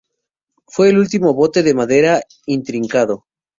Fue el último bote de madera intrincado.